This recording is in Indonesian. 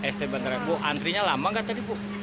sd banterja bu antrinya lama nggak tadi bu